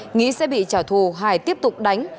nghĩ sẽ bị trả thù hải tiếp tục đánh